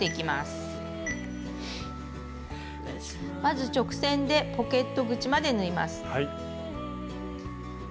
まず直線でポケット口まで縫います。